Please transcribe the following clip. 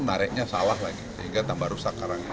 nariknya salah lagi sehingga tambah rusak karangnya